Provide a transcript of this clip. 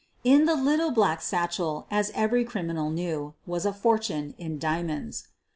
In the little black satchel, as every criminal knew, was a fortune in diamonds.